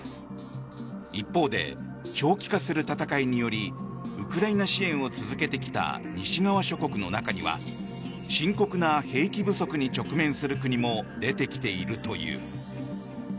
一方で、長期化する戦いによりウクライナ支援を続けてきた西側諸国の中には深刻な兵器不足に直面する国も出てきているという。